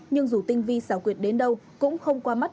nhưng dù tinh vi xảo quyệt đối tượng mua bán tàng trữ trái phép chất ma túy